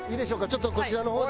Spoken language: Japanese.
ちょっとこちらの方で。